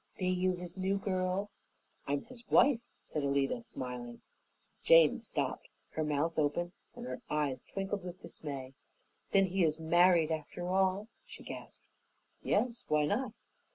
"Be you his new girl?" "I'm his wife," said Alida, smiling. Jane stopped; her mouth opened and her eyes twinkled with dismay. "Then he is married, after all?" she gasped. "Yes, why not?"